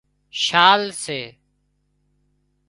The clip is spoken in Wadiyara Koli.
شال سي